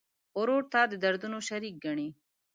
ورور ته د دردونو شریک ګڼې.